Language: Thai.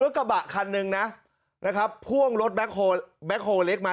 รถกระบะคันหนึ่งนะนะครับพ่วงรถแบ็คโหลแบ็คโหลเล็กมา